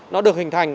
nó được hình thành